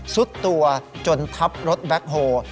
สุดตัวจนทับรถแบ็คโฮล